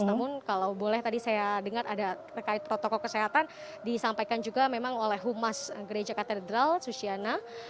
namun kalau boleh tadi saya dengar ada terkait protokol kesehatan disampaikan juga memang oleh humas gereja katedral susiana